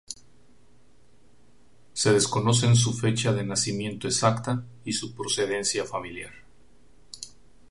Se desconocen su fecha de nacimiento exacta y su procedencia familiar.